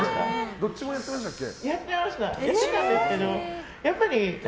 どっちもやってましたっけ？